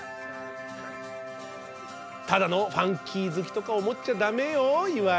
ただのファンキー好きとか思っちゃダメよ岩井。